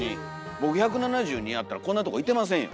僕１７２あったらこんなとこいてませんよ。